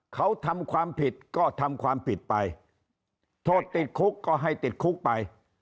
เขาทำความผิดก็ทำความผิดไปโทษติดคุกก็ให้ติดคุกไป